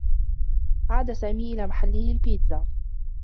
عاد سامي إلى محلّه للبيتزا.